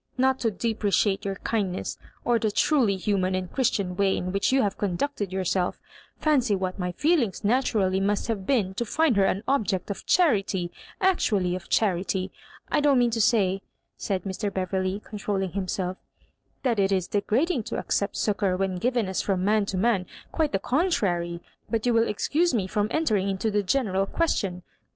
*< Not to depreciate your kindness, or the truly human and Christian way in which you have conducted yourself— £Emcy what my feelings naturally must have been to find her an object of charity — actually of cha rity I I don't mean to say," said Mr. Beverley, controlling himself, *' that it is degrading to accept succour when given as from man to man — quite the contrary ; but you will excuse me from enter ing into the general question.